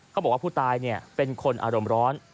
เขาบอกว่าผู้ตายเป็นคนอารมณ์ร้อน